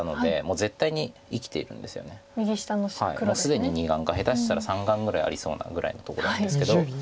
既に２眼か下手したら３眼ぐらいありそうなぐらいなとこなんですけど。